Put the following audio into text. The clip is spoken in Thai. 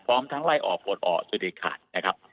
พร้อมทั้งไล่ออกปลดออกสุเด็ดขาดนะครับ